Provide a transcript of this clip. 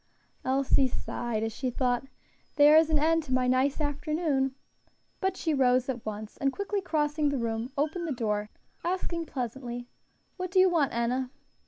Elsie sighed, as she thought, "There is an end to my nice afternoon," but she rose at once, and quickly crossing the room, opened the door, asking pleasantly, "What do you want, Enna?"